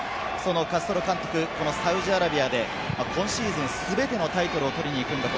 カストロ監督、このサウジアラビアで今シーズン全てのタイトルを取りにいくんだと。